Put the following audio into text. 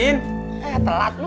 saya mau pergi